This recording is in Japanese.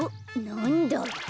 なんだ？